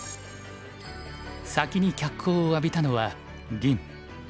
先に脚光を浴びたのは林。